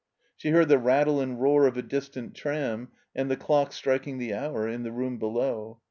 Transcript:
She heard the rattle and roar of a distant tram and the dock striking the hour in the room bdow.